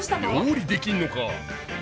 料理できんのか。